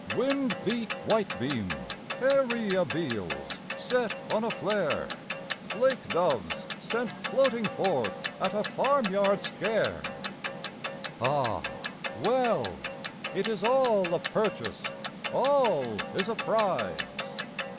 Wind beat whitebeam! airy abeles set on a flare! Flake doves sent floating forth at a farmyard scare! Ah well! it is all a purchase, all is a prize.